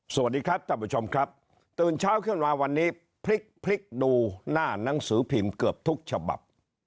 สวัสดีครับท่านผู้ชมครับตื่นเช้าขึ้นมาวันนี้พลิกพลิกดูหน้าหนังสือพิมพ์เกือบทุกฉบับ